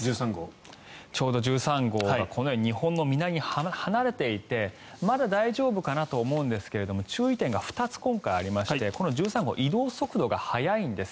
ちょうど１３号がこのように日本の南に離れていてまだ大丈夫かなと思うんですが注意点が２つ、今回ありましてこの１３号移動速度が速いんです。